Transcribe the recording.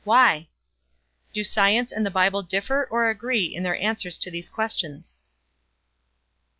Why? Do science and the Bible differ or agree in their answers to these questions?